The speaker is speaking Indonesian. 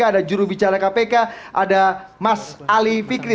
ada jurubicara kpk ada mas ali fikri